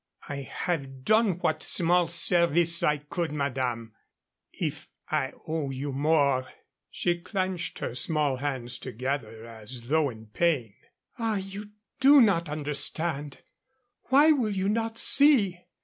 "I have done what small service I could, madame. If I owe you more " She clenched her small hands together, as though in pain. "Ah, you do not understand. Why will you not see?